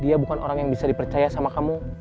dia bukan orang yang bisa dipercaya sama kamu